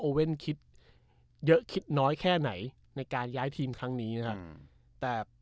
คิดเยอะคิดน้อยแค่ไหนในการย้ายทีมครั้งนี้นะครับ